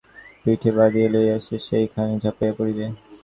রামমােহন কহিল, রামচন্দ্র রায়কে পিঠে বাঁধিয়া লইয়া সে সেই খানে ঝাঁপাইয়া পড়িবে।